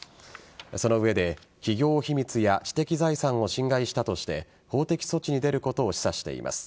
その上で企業秘密や知的財産を侵害したとして法的措置に出ることを示唆しています。